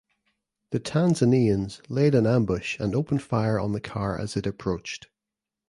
The Tanzanians laid an ambush and opened fire on the car as it approached.